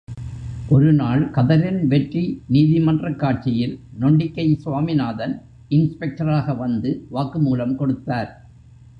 ஒரு நாள், கதரின் வெற்றி நீதிமன்றக் காட்சியில் நொண்டிக்கை சுவாமிநாதன் இன்ஸ்பெக்டராக வந்து வாக்கு மூலம் கொடுத்தார்.